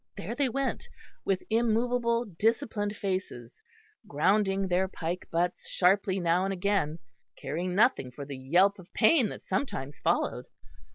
There they went, with immovable disciplined faces, grounding their pike butts sharply now and again, caring nothing for the yelp of pain that sometimes followed.